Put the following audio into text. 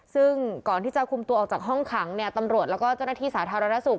ซึ่งก่อนที่จะคุมตัวออกจากห้องขังเนี่ยตำรวจแล้วก็เจ้าหน้าที่สาธารณสุข